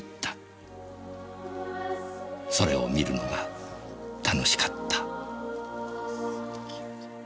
それを見るのが楽しかった。